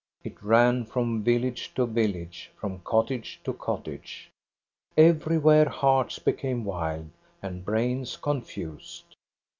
It ran from village THE DROUGHT 375 to village, from cottage to cottage. Everywhere hearts became wild, and brains confused.